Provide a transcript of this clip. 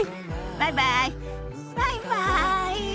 バイバイ。